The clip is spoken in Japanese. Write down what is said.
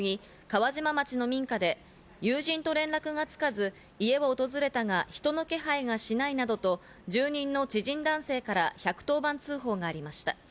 川島町の民家で、友人と連絡がつかず、家を訪れたが、人の気配がしないなどと住人の知人男性から１１０番通報がありました。